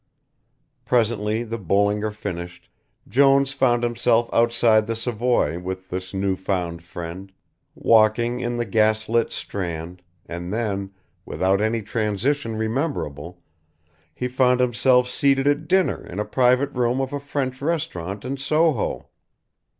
Presently, the Bollinger finished, Jones found himself outside the Savoy with this new found friend, walking in the gas lit Strand, and then, without any transition rememberable, he found himself seated at dinner in a private room of a French restaurant in Soho.